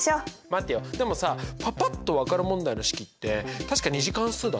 待ってよでもさパパっと分かる問題の式って確か２次関数だったよね。